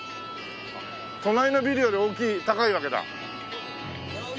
隣のビルより大きい高いわけだ。